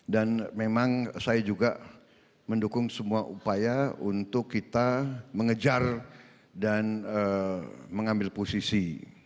dan memang saya juga mendukung semua upaya untuk kita mengejar dan mengambil posisi